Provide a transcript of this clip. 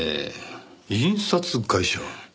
印刷会社？